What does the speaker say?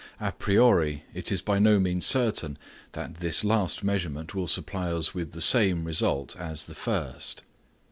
A priori it is by no means certain that this last measurement will supply us with the same result as the first.